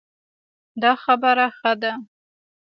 دا خبره ښه ده